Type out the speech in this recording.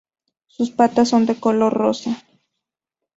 Sus patas son de color rosa.